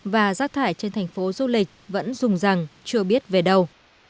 và rác thải trên thành phố du lịch vẫn dùng rằng chưa biết về đâu